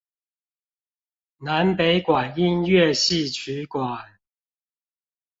南北管音樂戲曲館